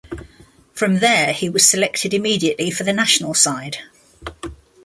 From there he was selected immediately for the national side.